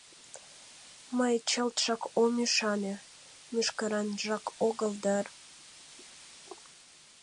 Мый чылтшак ом ӱшане, мӱшкыранжак огыл дыр.